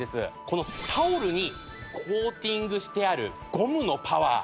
このタオルにコーティングしてあるゴムのパワー。